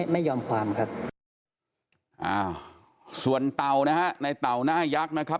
ไม่กังวลครับ